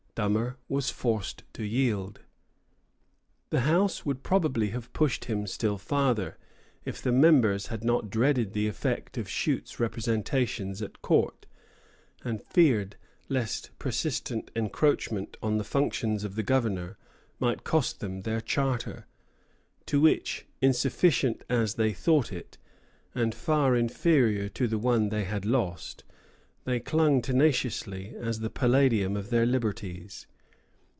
Dummer was forced to yield. The House would probably have pushed him still farther, if the members had not dreaded the effect of Shute's representations at court, and feared lest persistent encroachment on the functions of the governor might cost them their charter, to which, insufficient as they thought it, and far inferior to the one they had lost, they clung tenaciously as the palladium of their liberties.